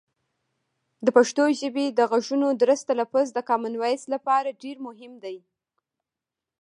د پښتو ژبې د غږونو درست تلفظ د کامن وایس لپاره ډېر مهم دی.